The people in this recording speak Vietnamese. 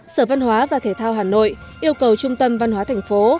sở văn hóa và thể thao hà nội yêu cầu trung tâm văn hóa thành phố